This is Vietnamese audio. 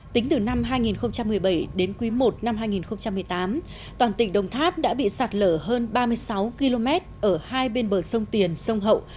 tính từ năm hai nghìn một mươi bảy đến quý i năm hai nghìn một mươi tám toàn tỉnh đồng tháp đã bị sạt lở hơn ba mươi sáu km ở hai bên bờ sông tiền sông hậu